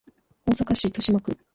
大阪市都島区